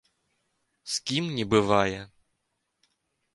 З кім не бывае?